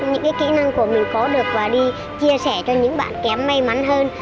những kỹ năng của mình có được và đi chia sẻ cho những bạn kém may mắn hơn